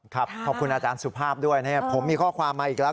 ขอบคุณอาจารย์สุภาพด้วยนะครับผมมีข้อความมาอีกแล้ว